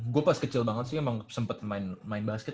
gue pas kecil banget sih emang sempet main basket